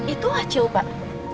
itu acil pak